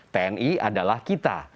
tni adalah kita